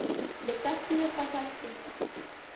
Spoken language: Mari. Лекташ кӱлеш пашашке!..»